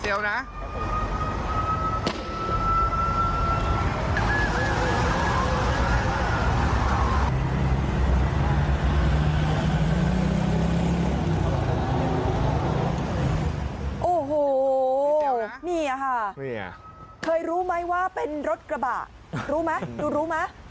โอ้โหนี่ค่ะเคยรู้ไหมว่าเป็นรถกระบะรู้ไหมดูรู้ไหม